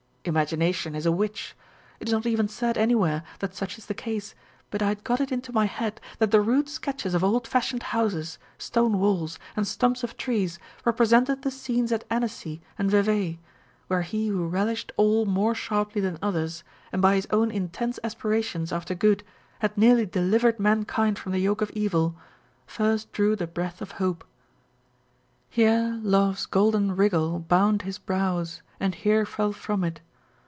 Imagination is a witch. It is not even said anywhere that such is the case, but I had got it into my head that the rude sketches of old fashioned houses, stone walls, and stumps of trees represented the scenes at Annecy and Vevay, where he wrho relished all more sharply than others, and by his own intense aspirations after good had nearly delivered mankind from the yoke of evil, first drew the breath of hope. Here love's golden rigol bound his brows, and here fell from it.